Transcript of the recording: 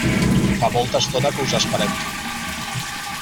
Fa molta estona que us esperem.